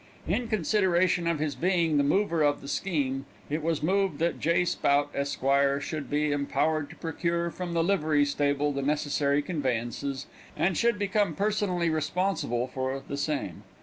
In consideration of his being the mover of the scheme, it was moved that J. Spout, Esq., should be empowered to procure from the livery stable the necessary conveyances, and should become personally responsible for the same.